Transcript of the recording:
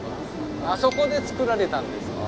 あそこで造られたんです。